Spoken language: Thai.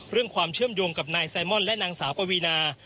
เรื่องความเชื่อมโยงกับนายไซมอนและนางสาวปวีนา